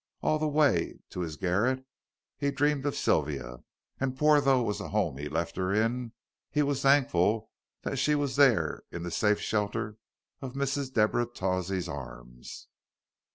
All the way to his garret he dreamed of Sylvia, and poor though was the home he had left her in, he was thankful that she was there in the safe shelter of Mrs. Deborah Tawsey's arms.